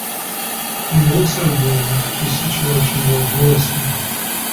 He also warned the situation will worsen.